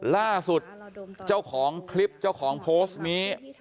ล่าสุดเจ้าของคลิปเจ้าของโพสต์นี้